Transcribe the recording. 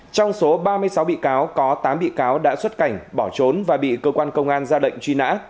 trong số ba mươi sáu bị cáo có tám bị cáo đã xuất cảnh bỏ trốn và bị cơ quan công an ra lệnh truy nã